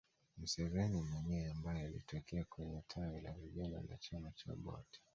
Museveni mwenyewe ambaye alitokea kwenye tawi la vijana la chama cha Obote